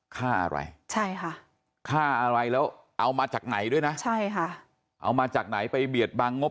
ค่าอะไรค่าอะไรแล้วเอามาจากไหนด้วยนะเอามาจากไหนไปเบียดบังงบ